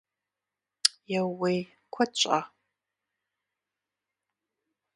Еууей! Куэд щӏа?